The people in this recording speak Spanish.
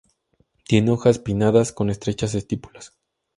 Tiene hojas pinnadas con estrechas estípulas.